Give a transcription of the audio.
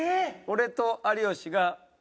俺と有吉が×。